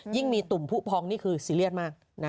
ยิ่งมีตุ่มผู้พองนี่คือซีเรียสมาก